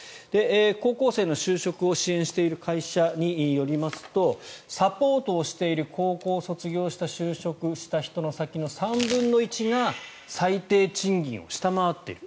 高校生の就職を支援している会社によりますとサポートをしている高校を卒業して就職した人の３分の１が最低賃金を下回っている。